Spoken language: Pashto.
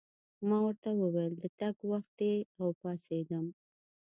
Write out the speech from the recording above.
ما ورته وویل: د تګ وخت دی، او پاڅېدم.